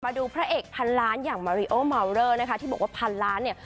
พระเอกพันล้านอย่างมาริโอมาวเลอร์นะคะที่บอกว่าพันล้านเนี่ย